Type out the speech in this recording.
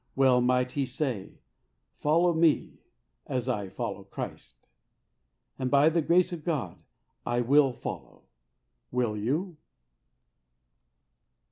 Well might he say, " Follow me as I follow Christ." And by the grace of God I will follow Will you